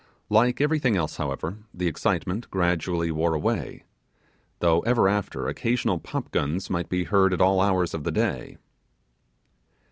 Like everything else, however, the excitement gradually wore away, though ever after occasionally pop guns might be heard at all hours of the day.